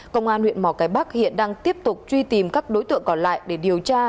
công an huyện mỏ cái bắc hiện đang tiếp tục truy tìm các đối tượng còn lại để điều tra